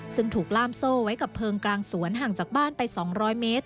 ซึ่งถูกล่ามโซ่ไว้กับเพลิงกลางสวนห่างจากบ้านไป๒๐๐เมตร